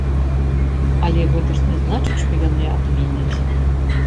Але гэта ж не значыць, што яны адменяць.